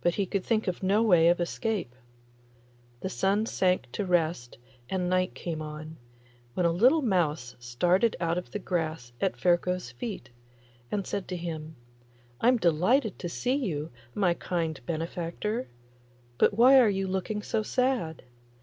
But he could think of no way of escape. The sun sank to rest and night came on, when a little mouse started out of the grass at Ferko's feet, and said to him, 'I'm delighted to see you, my kind benefactor; but why are you looking so sad?